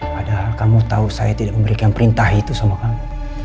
padahal kamu tahu saya tidak memberikan perintah itu sama kamu